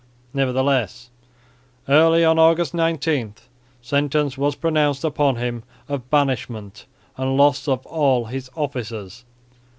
Nevertheless, early on August 19, sentence was pronounced upon him of banishment and loss of all his offices.